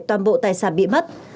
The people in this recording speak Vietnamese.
cảm bộ tài sản bị mất